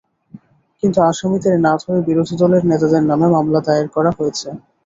কিন্তু আসামিদের না ধরে বিরোধী দলের নেতাদের নামে মামলা দায়ের করা হয়েছে।